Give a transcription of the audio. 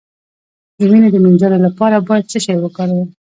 د وینې د مینځلو لپاره باید څه شی وکاروم؟